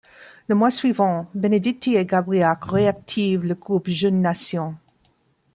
Le mois suivant, Benedetti et Gabriac réactivent le groupe Jeune Nation.